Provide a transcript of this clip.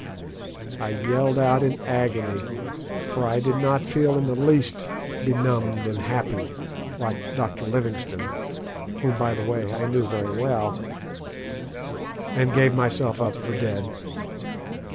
I yelled out in agony, for I did not feel in the least benumbed and happy, like Dr. Livingstone whom, by the way, I knew very well and gave myself up for dead.